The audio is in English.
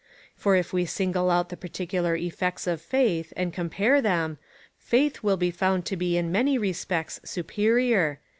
For if we single out the particular effects 0^ faith, and compare them, faith will be found to be in many respects superior.